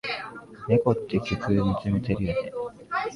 猫って虚空みつめてるよね。